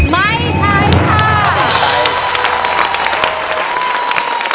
ไม่ใช้ค่ะ